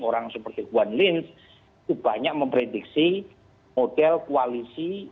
orang seperti juan lins itu banyak memprediksi model koalisi